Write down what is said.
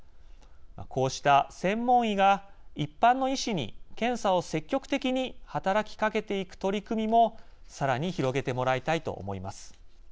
こうした、専門医が一般の医師に検査を積極的に働きかけていく取り組みもさらに広げてもらいたいと思います。